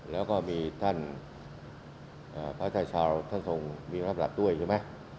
แล้วก็มีท่านพระชายชาวท่านทรงมีรับหลักด้วยใช่ไหม